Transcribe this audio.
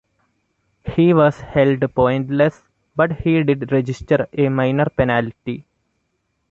He was held pointless, but he did register a minor penalty.